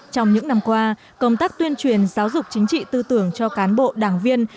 trong những năm qua công tác tuyên truyền giáo dục chính trị tư tưởng cho cán bộ đảng viên